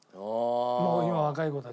もう今若い子たち。